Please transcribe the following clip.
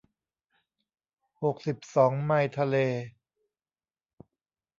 หกสิบสองไมล์ทะเล